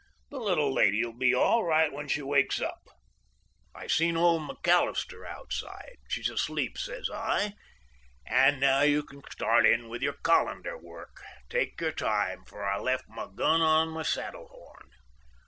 The little lady'll be all right when she wakes up.' "I seen old McAllister outside. 'She's asleep,' says I. 'And now you can start in with your colander work. Take your time; for I left my gun on my saddle horn.